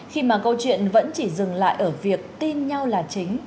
khi mà câu chuyện vẫn chỉ dừng lại ở việc tin nhau là chính